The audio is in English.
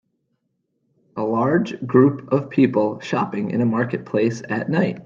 A large group of people shopping in a marketplace at night.